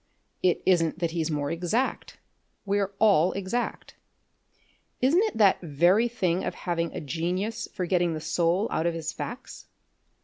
It isn't that he's more exact. We're all exact. Isn't it that very thing of having a genius for getting the soul out of his facts?